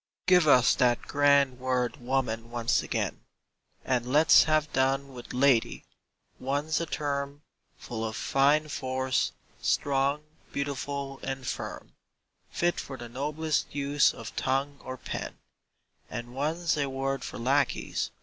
Give us that grand word "woman" once again, And let's have done with "lady": one's a term Full of fine force, strong, beautiful, and firm, Fit for the noblest use of tongue or pen; And one's a word for lackeys.